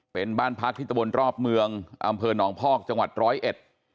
เป็นบ้านพักที่ตะบนรอบเมืองอำเภอหนองพอกจังหวัดร้อยเอ็ด